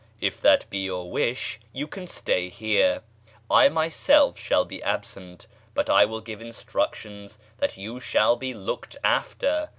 If that be your wish you can stay here. I myself shall be absent, but I will give instructions that you shall be looked after.